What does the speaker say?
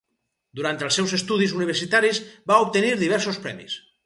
Durant els seus estudis universitaris va obtenir diversos premis.